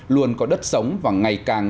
luôn có đất sống và ngày càng